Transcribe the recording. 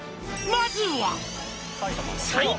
「まずは」